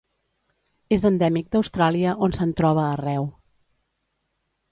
És endèmic d'Austràlia, on se'n troba arreu.